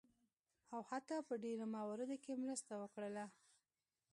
او حتی په ډیرو مواردو کې مرسته وکړله.